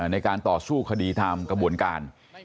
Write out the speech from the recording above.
ในการต่อสู้คดีตามกระบวนการ